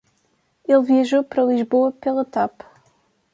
Ele viajou pra Lisboa pela Tap.